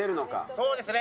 そうですね。